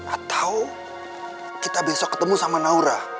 atau kita besok ketemu sama naura